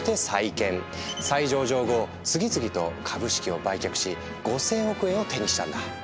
再上場後次々と株式を売却し５，０００億円を手にしたんだ。